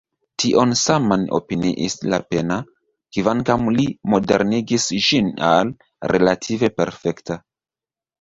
Tion saman opiniis Lapenna, kvankam li moderigis ĝin al “relative perfekta”.